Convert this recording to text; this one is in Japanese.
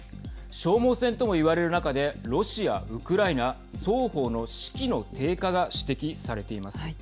消耗戦ともいわれる中でロシア・ウクライナ双方の士気の低下が指摘されています。